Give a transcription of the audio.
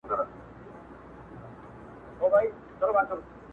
زموږ اخترونه څنګه وي